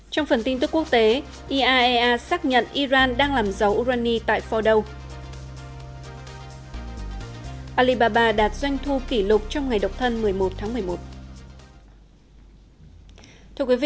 trong phần tin tức quốc tế iaea xác nhận iran đang làm dầu urani tại fordow